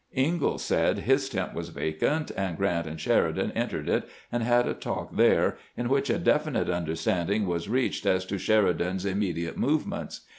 IngaUs said his tent was vacant, and Grant and Sheridan entered it and had a talk there, in which a definite understanding was reached as to Sheri dan's immediate movements.